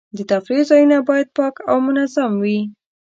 د تفریح ځایونه باید پاک او منظم وي.